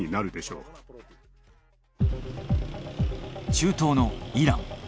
中東のイラン